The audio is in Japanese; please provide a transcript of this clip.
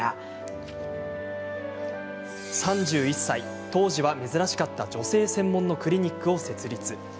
３１歳、当時は珍しかった女性専門のクリニックを設立。